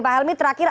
pak helmy terakhir